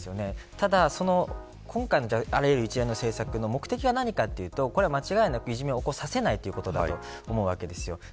ただ今回のあらゆる一連の政策の目的は何かというと間違いなくいじめを起こさせないということだと思います。